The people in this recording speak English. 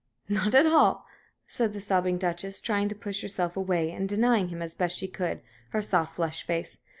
"Not at all," said the sobbing Duchess, trying to push herself away, and denying him, as best she could, her soft, flushed face.